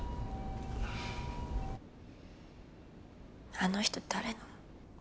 あの人誰なの？